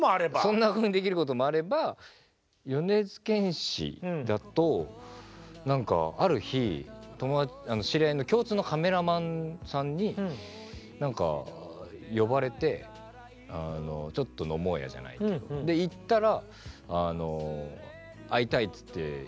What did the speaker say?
そんなふうにできることもあれば米津玄師だとなんかある日知り合いの共通のカメラマンさんに呼ばれてちょっと飲もうやじゃないけどで行ったら。